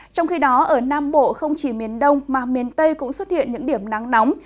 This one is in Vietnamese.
trong khi đó ở nam bộ không chỉ miền đông mà miền tây cũng xuất hiện những điểm nắng nóng